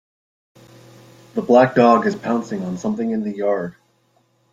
The black dog is pouncing on something in the yard.